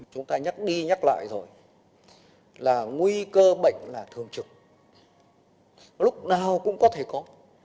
chúng ta nhắc đi nhắc lại rồi là nguy cơ bệnh là thường trực lúc nào cũng có thể có